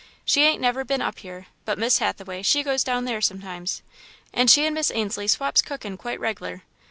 She ain't never been up here, but Miss Hathaway, she goes down there sometimes, and she'n Miss Ainslie swaps cookin' quite regler.